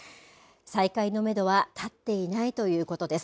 再開のめどは立っていないということです。